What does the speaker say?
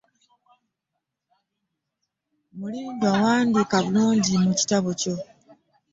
Mulindwa wandiika bulungi mu kitabo ekyo.